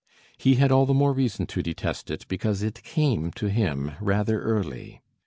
He had all the more reason to detest it because it came to him rather early.